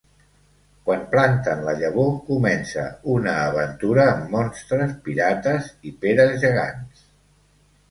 Quan planten la llavor, comença una aventura amb monstres, pirates i peres gegants.